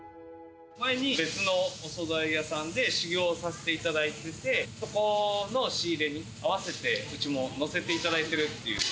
前に別のお総菜屋さんで修業させていただいてて、そこの仕入れに合わせて、うちも乗せていただいているっていう。